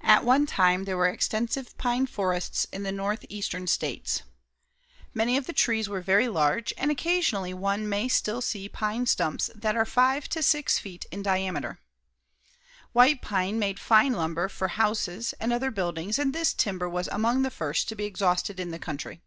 At one time there were extensive pine forests in the northeastern states. Many of the trees were very large, and occasionally one may still see pine stumps that are 5 to 6 feet in diameter. White pine made fine lumber for houses and other buildings and this timber was among the first to be exhausted in the country.